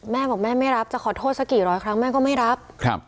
แม่บอกแม่ไม่รับจะขอโทษสักกี่ร้อยครั้งแม่ก็ไม่รับ